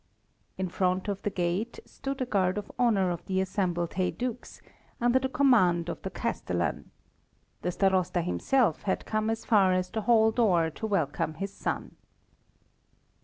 In front of the gate stood a guard of honour of the assembled heydukes, under the command of the Castellan. The Starosta himself had come as far as the hall door to welcome his son.